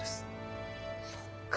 そっか。